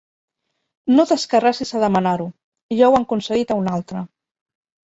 No t'escarrassis a demanar-ho: ja ho han concedit a un altre.